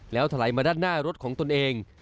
แล้วถลายมาด้านหน้ารถของตนเอง